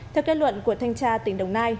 theo kết luận của thanh trang